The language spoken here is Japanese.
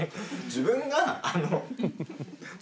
自分が。